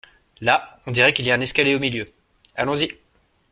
Là, on dirait qu'il y a un escalier au milieu. Allons-y!